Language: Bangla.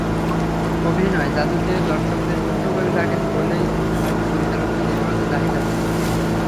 অভিনয়–জাদুতে দর্শকদের মুগ্ধ করে রাখেন বলেই হয়তো পরিচালকদের নির্ভরতা জাহিদ হাসানে।